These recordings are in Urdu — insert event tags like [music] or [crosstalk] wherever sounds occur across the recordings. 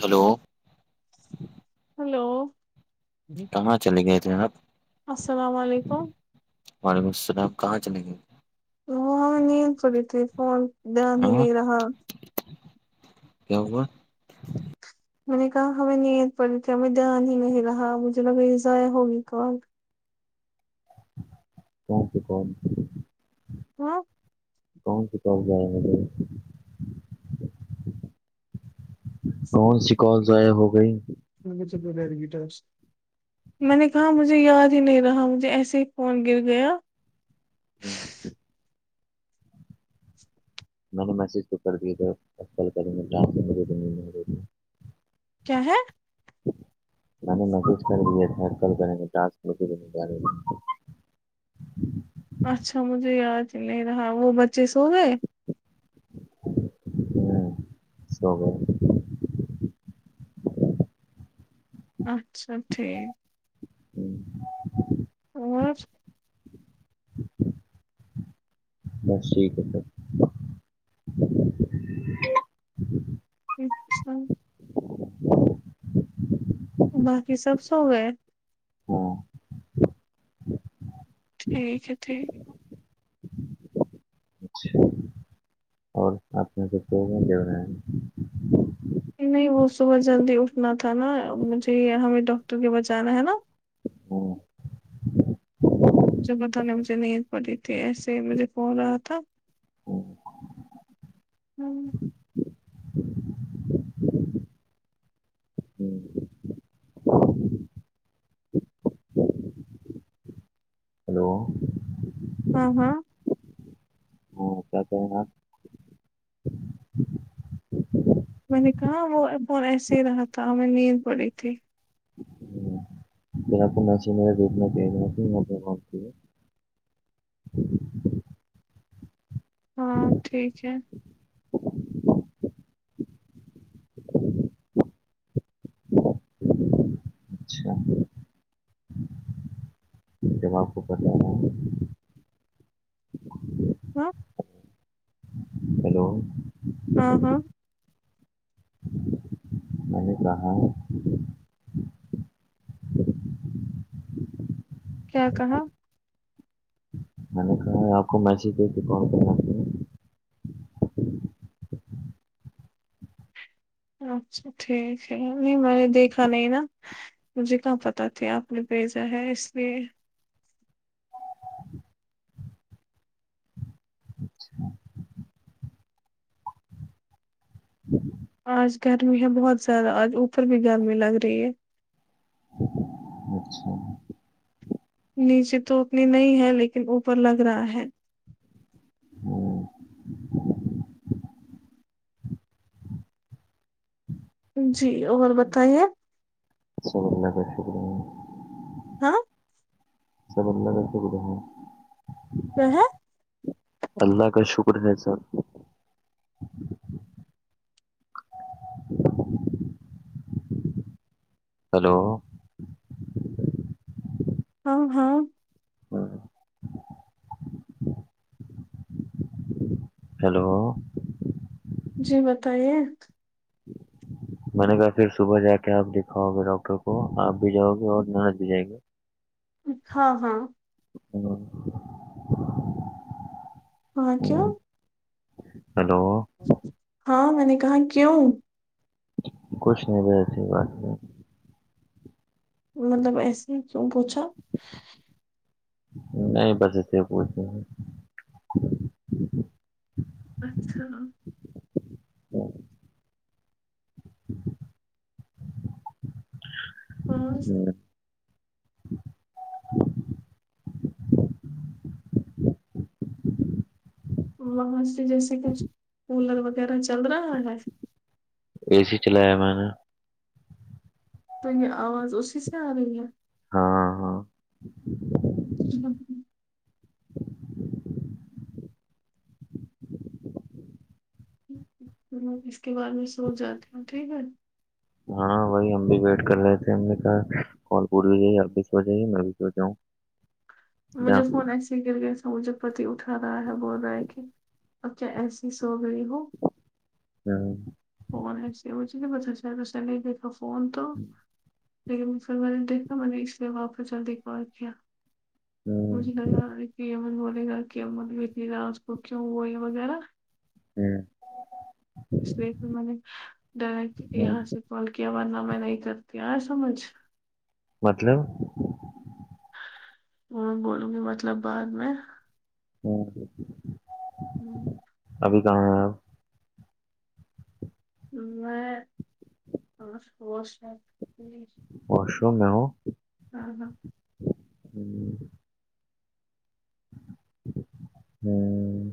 ہیلو ہیلو کہاں چلے گئے تھے آپ السلام علیکم وعلیکم السلام کہاں چلیں گے وہ ہمیں نیند چاڑی تھی فون دھیان ہی ہاں نہیں رہا کیا ہوا ہم نے کہا ہمیں نیند پڑی تھی ہمیں دھیان ہی نہیں رہا مجھے لگا یہ ضائع ہوگی کال [inaudible] ہاں کون کتاب ج گ [unintelligible] کون سی کال ضائع ہو گئی [unintelligible] م چ تو گیر گٹاس میں نے کہا مجھے یاد ہی نہیں رہا مجھے ایسے ہی فون گر گیا ہمم میں نے میسج تو کر دیا تھا کرے [unintelligible] کیا ہے میں نے میسج کر دیا تھا کل کارے گے یہ اچھا مجھے یاد نہیں رہا وہ بچے سو گئے ڈالے سو گئے تھے اچھا ٹھیک ہاں اور بس ٹھیک ہے تو [unintelligible] باقی سب سو گئے ہاں ٹھیک ہے ٹھک اچھا اور آنے سے [unintelligible] بیا نہیں وہ صبح جلدی اٹھنا تھا نا مجھے ہمیں ڈاکٹر کے پاس جانا ہے نا ہ مجھے پتہ نہیں جے نہیں پڑی تھی ایسے ہی مجھے فون آیا تھا ہاں ہوں ہلو ہاں ہاں ہاں کیا کہ ہیںپ میں نے کہا وہ فون ایسے ہی رہا تھا ہمے نیند پڑی تھی پھر آپکو مسیج وغیرہ دیکھنا چاہیے نہ ہاں ٹھیک ہے اچھا جب آپ کو پتہ ہے ہ ہیلو ہاں ہاں میں نے کہا کیا کہا میں نے کہا آپ کو میسج دے کون کر نا اچھا ٹھیک ہے نہیں میں نے دیکھا نہیں نا مجھے کہاں پتہ تھی آپ نے بھیجا ہے اس لیے آج گرمی ہے بہت زیادہ آج اوپر بھی گرمی لگ رہی ہے اچھا نیچے تو اتنی نہیں ہے لیکن اوپر لگ رہا ہے جی اور بتائیے سب اللہ کا کرم ہے ہاں سب اللہ شکر ہے کے ہے اللہ کا شکر ہے سب ہیلو ہاں ہاں ہیلو جی بتائیے میں نے کہا پھر صبح جا کے آپ دکھاؤ گے ڈاکٹر کو آپ بھی جاؤ گے اور ننند بھی جائے گے ہاں ہاں [unintelligible] ہاں کیا ہیلو ہاں میں نے کہا کیوں کچھ نہیں ایسی بات میں مطلب ایسے ہی کیوں پوچھا نہیں بس اس لیے پو چھے اچھا پانچ وہاں سے جیسے کچھ کولر وغیرہ چل رہا ہے اے سی چلایا میں نے تو یے آواز اسی سے آ رہی ہے ہاں ہاں اچھا اس کے بعد میں سو جاتی ہوں ٹھیک ہے ہاں وہی ہم بھی ویٹ کر رہے تھے ہم نے کہا کال کٹ جائے آپ بھی سو جائیے میں بھی سو جاؤں مجھے فون ایسے ہی گر گیا تھا مجھے پتی اٹھا رہا ہے بول رہا ہے کہ اب کیا ایسی سو گئی ہو [unintelligible] فون ہے اس لیے مجھے نہیں بتا تھا [unintelligible] فون تو لیکن سر میں نے دیکھا میں نے اس لیے وہاں پے جاکے کال کیا ہوں مجھے لگ رہا ہے کی امن بولے گا کہ امن اتنی رات کو کیوں وہی وغیرہ ہمم اس لیے پھر میں نے ڈائریکٹ ہوں یہاں سے کال کیا ورنہ میں نہیں کرتی آیا سمجھ مطلب بولوں گی مطلب بعد میں [unintelligible] آمم ہمم ابھی کہاں ہے آپ میں واش [unintelligible] واش روم میں ہو ہاں ہاں ہوں ہمم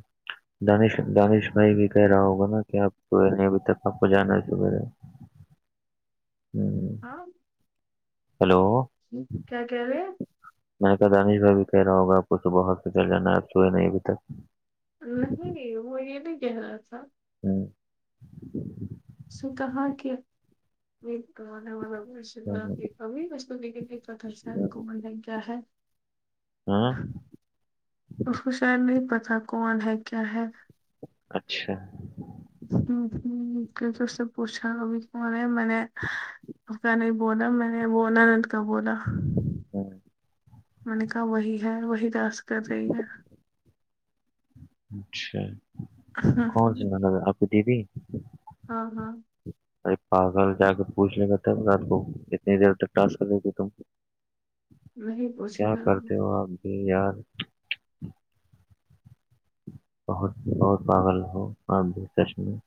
دانش دانش بھائی بھی کہہ رہا ہوگا نا کہ آپ [unintelligible] ہوں ہاں ہیلو کیا کہ رہے میں نے کہا دانش بھائی بھی کہہ رہا ہوگاآ پ کو صبح ہاسپٹل جانا آپ سوئے نہیں ابھی تک نہیں وہ یہ نہیں کہہ رہا تھا ہممم [unintelligible] ہوں، ہوں، [unintelligible] ہاں اس کو شاید نہیں پتا کون ہے کیا ہے اچھا ہمم ہمم کل تو اسے پوچھا بھی میں نے میں نے بولا میں نے وہ ناند کا بولا ہوں، میں نے کہا وہی ہے وہی راج کر رہی ہے اچھا کون س مطلب آپ کی دیدی ہاں ہاں ارے پاگل جا کے پوچھے گا تب رات کو اتنی دیر تک ٹاسک کر رہی تھی تم نہیں پوچھے کیا گا کرتے ہو آپ بھی یار بہت بہت پاگل ہو آپ بھی سچ میں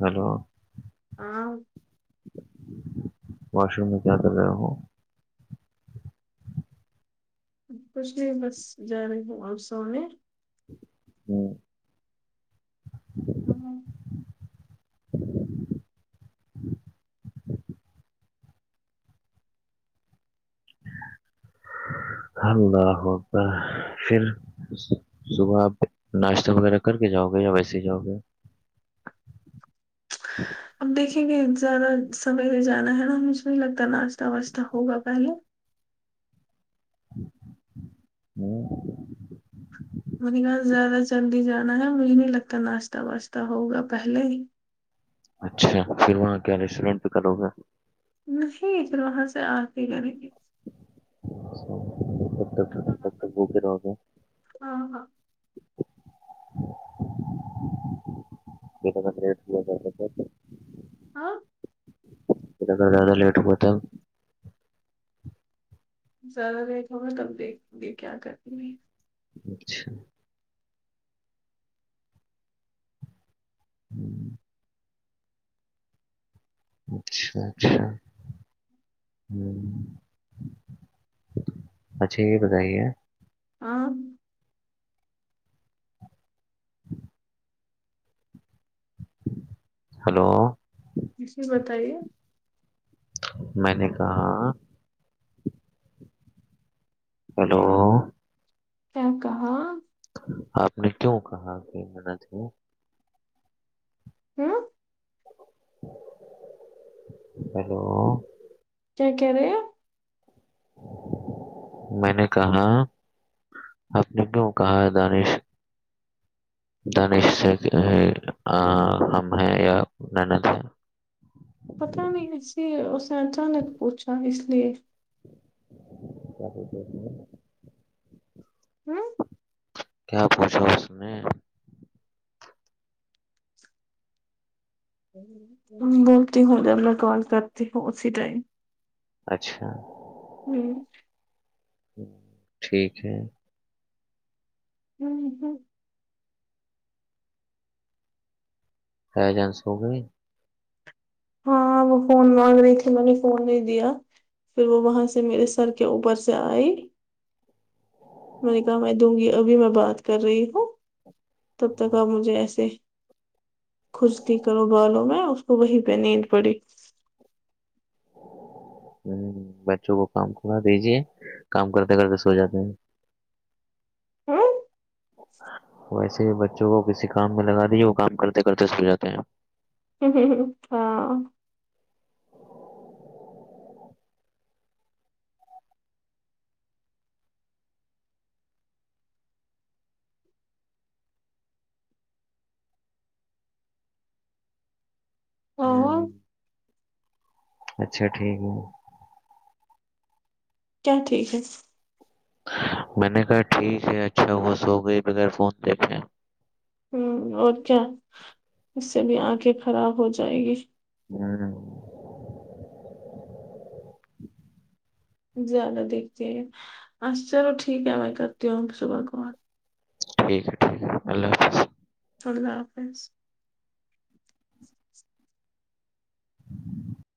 ہلو ہاں واش روم میں کیا کر رہے ہو کچھ نہیں بس جا رہی ہوں اب سونے ہمم ہمم اللہ اکبر پھر صبح آپ ناشتہ وغیرہ کر کے جاؤ گے یا ویسے ہی جاؤ گے اب دیکھیں گے زیادہ سمے لے جانا ہے نا مجھے نہیں لگتا ناشتہ واشتہ ہوگا پہلے ہمم مجھے گھر زیادہ جلدی جانا ہے مجھے نہیں لگتا ناشتہ واشتہ ہوگا پہلے ہی اچھا پھر وہاں کیا ریسٹورینٹ پہ کرو گے نہیں پھر وہاں سے آ کے کریں گے اچھا پھرکب تک کب ہاں تک بھوکے رہو گے ہاں [unintelligible] ہاں اتنا زیادہ لیٹ ہوگا تب زیادہ لیٹ ہوگا تب دیکھوں گی کیا [unintelligible] اچھا ہوں اچھا اچھا ہ اچھا یہ بتائیے آاں [inaudible] ہلو جی بتائیے میں نے کہا ہلو کیا کہا آپ نے کیوں کہا کہ منت ہے ہوں ہیلو کیا کہہ رہے ہو میں نے کہا آپ نے کیوں کہا ہے دانش دانش سے آ ہم ہیں یا نینت ہے پتا نہیں ایسے اس نے اچانک پوچھا اس لیے [unintelligible] ہوں کیا پوچھا اس نے بولتی ہوں جب میں کال کرتی ہوں اسی ٹائم اچھا ہوں ٹھیک ہے ہوں ہوں تائی جان سوگئی ہاں وہ فون مانگ رہی تھی میں نے فون نہیں دیا پھر وہ وہاں سے میرے سر کے اوپر سے آئی میں نے کہا میں دوں گی ابھی میں بات کر رہی ہوں تب تک آپ مجھے ایسے خشکی کرو بالو میں اس کو وہی پ نیند پوری ہ بچوں کو کام کڑا دیجیے کام کرتے کرتے سو جاتے ہیں ہوں ویسے بچوں کو کسی کام میں لگا دیے وہ کام کرتے کرتے سو جاتے ہیں ہ ہ ہ ہ ہاں ہاں ہوں اچھا ٹھیک ہے کیا ٹھیک ہے میں نے کہا ٹھیک ہے اچھا ہوا سو گئے بغیر فون دیکھے ہ اور کیا اس سے بھی آنکھیں خراب ہو جائے گی ہوں زیادہ دیکھتے ہیں ا چھا چلو ٹھیک ہے میں کرتی ہوں صبح کو بات ٹھیک ہے ٹھیک ہے اللہ حافظ اللہ حافظ [inaudible]